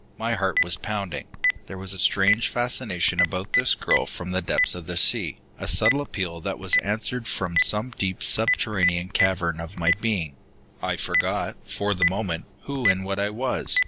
My heart was pounding. There was a strange fascination about this girl from the depths of the sea, a subtle appeal that was answered from some deep subterranean cavern of my being. I forgot, for the moment, who and what I was.